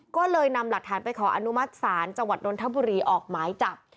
ก็เลยนำหลักฐานไปขออนุมัติศาลจังหวัดนทบุรีออกหมายจับ